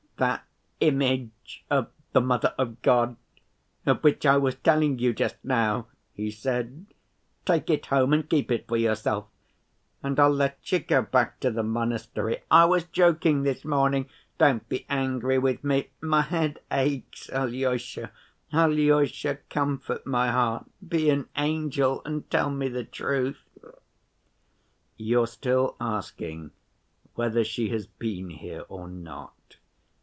"That image of the Mother of God of which I was telling you just now," he said. "Take it home and keep it for yourself. And I'll let you go back to the monastery.... I was joking this morning, don't be angry with me. My head aches, Alyosha.... Alyosha, comfort my heart. Be an angel and tell me the truth!" "You're still asking whether she has been here or not?"